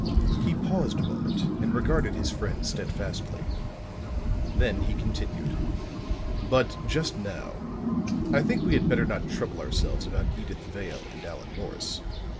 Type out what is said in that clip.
He paused a moment and regarded his friend steadfastly. Then he continued. "But, just now, I think we had better not trouble ourselves about Edyth Vale and Allan Morris.